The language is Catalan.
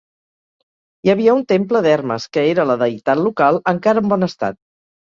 Hi havia un temple d'Hermes que era la deïtat local, encara en bon estat.